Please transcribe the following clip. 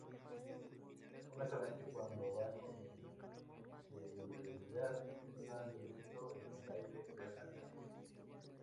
Únicamente cuando va con celeridad es más violento el aire del animal.